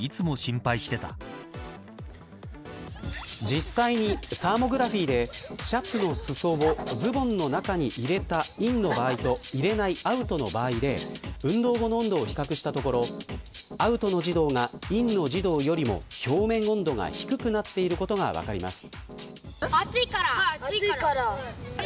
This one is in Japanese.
実際にサーモグラフィーでシャツの裾をズボンの中に入れたインの場合と入れないアウトの場合で運動後の温度を比較したところアウトの児童がインの児童よりも表面温度が低くなっていることが分かります。